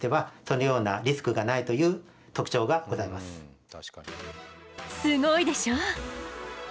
一方すごいでしょ。